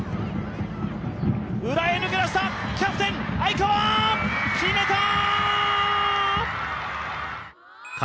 裏へ抜けましたキャプテン愛川決めたー！